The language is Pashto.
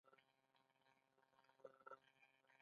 هغه ویلې شوی او د مایع په حالت کې دی.